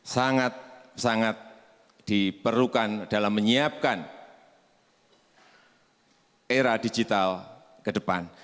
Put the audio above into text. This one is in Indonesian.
sangat sangat diperlukan dalam menyiapkan era digital ke depan